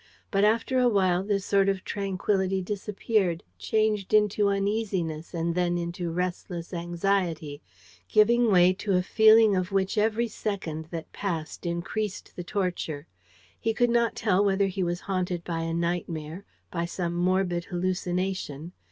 But after a while this sort of tranquillity disappeared, changed into uneasiness and then into restless anxiety, giving way to a feeling of which every second that passed increased the torture. He could not tell whether he was haunted by a nightmare, by some morbid hallucination.